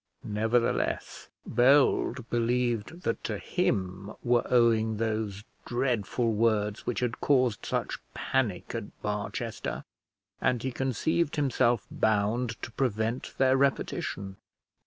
Nevertheless Bold believed that to him were owing those dreadful words which had caused such panic at Barchester, and he conceived himself bound to prevent their repetition.